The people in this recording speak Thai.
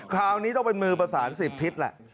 คราวนี้ต้องเป็นมือประสาน๑๐ทิศแหละ